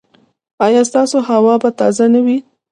ایا ستاسو هوا به تازه نه وي؟